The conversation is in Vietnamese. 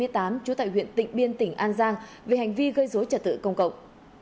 trú tại huyện tịnh biên tỉnh an giang về hành vi gây dối trả tự công cộng